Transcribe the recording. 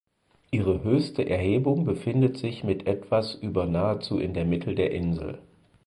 Ihre höchste Erhebung befindet sich mit etwas über nahezu in der Mitte der Insel.